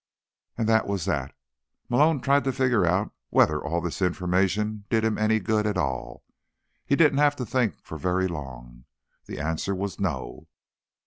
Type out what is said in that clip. And that was that. Malone tried to figure out whether all this information did him any good at all, and he didn't have to think for very long. The answer was no.